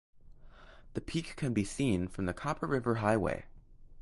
The peak can be seen from the Copper River Highway.